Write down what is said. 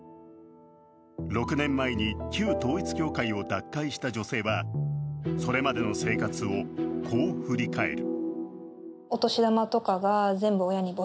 ６年前に旧統一教会を脱会した女性はそれまでの生活をこう振り返る。